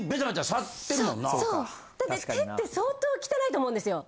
だって手って相当汚いと思うんですよ。